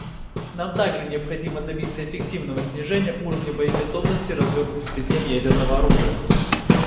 Нам также необходимо добиться эффективного снижения уровня боеготовности развернутых систем ядерного оружия.